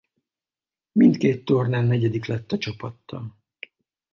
Mindkét tornán negyedik lett a csapattal.